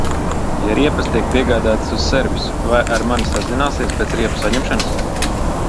Ja riepas tiek piegādātas uz servisu, vai ar mani sazināsies pēc riepu saņemšanas?